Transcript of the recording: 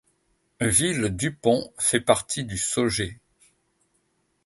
Ville-du-Pont fait partie du Saugeais.